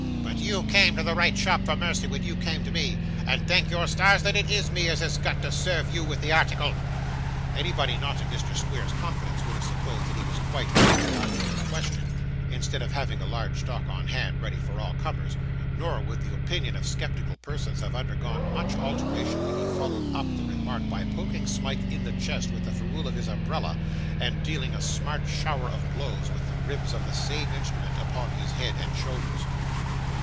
But you came to the right shop for mercy when you came to me, and thank your stars that it IS me as has got to serve you with the article.' Anybody not in Mr. Squeers's confidence would have supposed that he was quite out of the article in question, instead of having a large stock on hand ready for all comers; nor would the opinion of sceptical persons have undergone much alteration when he followed up the remark by poking Smike in the chest with the ferrule of his umbrella, and dealing a smart shower of blows, with the ribs of the same instrument, upon his head and shoulders.